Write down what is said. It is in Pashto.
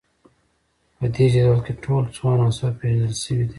په دې جدول کې ټول څو عناصر پیژندل شوي دي